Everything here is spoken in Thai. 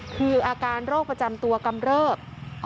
คืออาการโรคประจำตัวกำเริบ